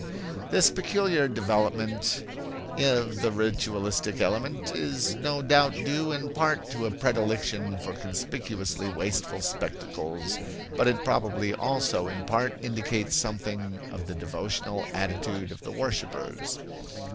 This peculiar development of the ritualistic element is no doubt due in part to a predilection for conspicuously wasteful spectacles, but it probably also in part indicates something of the devotional attitude of the worshippers.